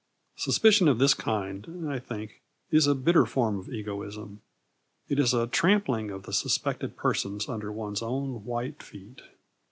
Suspicion of this kind, I think, is a bitter form of egoism. It is a trampling of the suspected persons under one's own white feet.